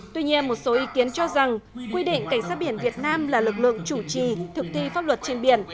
tuy nhiên một số ý kiến cho rằng quy định cảnh sát biển việt nam là lực lượng chủ trì thực thi pháp luật trên biển